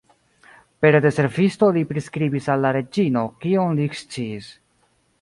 Pere de servisto li priskribis al la reĝino, kion li eksciis.